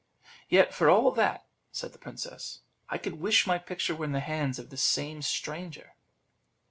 "Yet, for all that," said the princess, "I could wish my picture were in the hands of this same stranger."